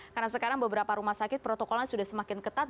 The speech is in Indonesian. karena sekarang beberapa rumah sakit protokolnya sudah semakin ketat